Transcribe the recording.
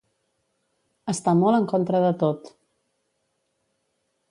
Està molt en contra de tot.